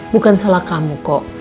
bukan salah kamu kok